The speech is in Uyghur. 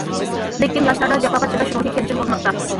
لېكىن ياشلاردا جاپاغا چىداش روھى كەمچىل بولماقتا.